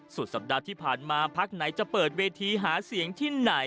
สุดสัปดาห์ที่ผ่านมาพักไหนจะเปิดเวทีหาเสียงที่ไหน